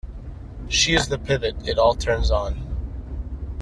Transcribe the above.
She is the pivot it all turns on.